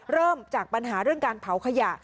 เริ่มจากปัญหาเรื่องการเผาขยะ